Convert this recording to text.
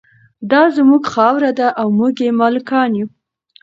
دا زموږ خاوره ده او موږ یې مالکان یو.